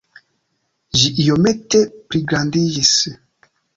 Ĝi iomete pligrandiĝis.